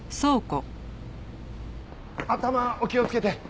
頭お気をつけて。